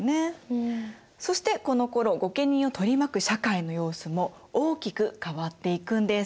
そしてこのころ御家人を取り巻く社会の様子も大きく変わっていくんです。